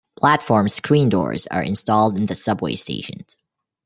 Platform screen doors are installed in the subway stations.